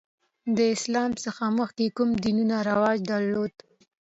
د اسلام څخه مخکې کوم دینونه رواج درلود؟